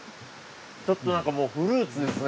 ちょっとなんかもうフルーツですね。